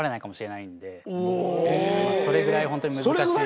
それぐらい本当に難しい。